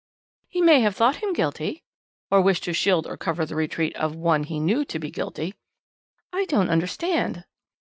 "He may have thought him guilty." "Or wished to shield or cover the retreat of one he knew to be guilty." "I don't understand."